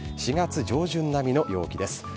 ４月上旬並みの陽気です。